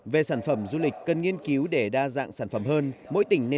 về sản phẩm du lịch cần nghiên cứu để đa dạng sản phẩm hơn